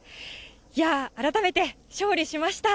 いやー、改めて勝利しました。